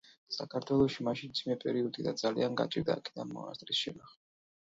საქართველოში მაშინ მძიმე პერიოდი იდგა და ძალიან გაჭირდა აქედან მონასტრის შენახვა.